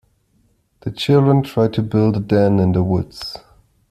The children tried to build a den in the woods